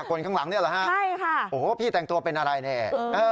ก่อนข้างหลังนี่เหรอฮะพี่แต่งตัวเป็นอะไรเนี่ยใช่ค่ะ